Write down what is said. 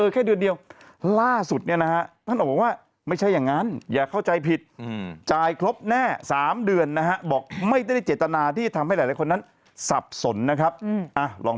แต่อันสุดท้ายนี่มันเป็นครัวซอง